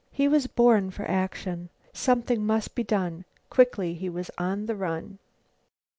He was born for action. Something must be done. Quickly he was on the run.